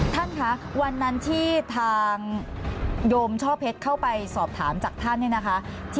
ท่านคะวันนั้นที่ทางโยมช่อเพชรเข้าไปสอบถามจากท่านเนี่ยนะคะ